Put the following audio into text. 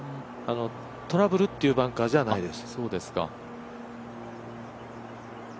トラブルっていうバンカーじゃないです。